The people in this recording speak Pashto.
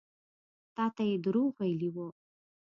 تا ته يې دروغ ويلي وو.